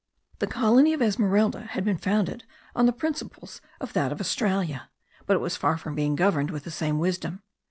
The colony of Esmeralda had been founded on the principles of that of Australia; but it was far from being governed with the same wisdom.